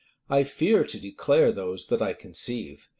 I fear to declare those that I conceive.